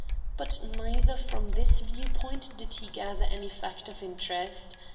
But neither from this view point did he gather any fact of interest.